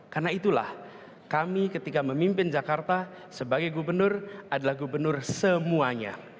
karena itulah kami ketika memimpin jakarta sebagai gubernur adalah gubernur semuanya